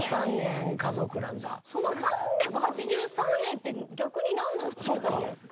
その３８３円って逆になんなの？って感じじゃないですか？